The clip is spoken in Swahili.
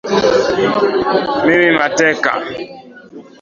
mimi mateka